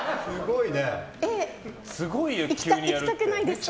いきたくないですか。